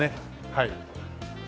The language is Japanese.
はい。